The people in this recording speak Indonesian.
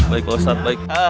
baik pak ustad baik